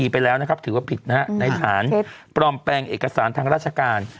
ปลอมแปลงเอกสารทางราชการ